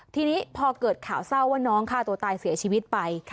ทีนี้พอเกิดข่าวเศร้าว่าน้องฆ่าตัวตายเสียชีวิตไป